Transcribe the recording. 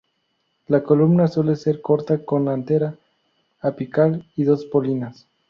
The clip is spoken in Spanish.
La columna suele ser corta con antera apical y dos polinias.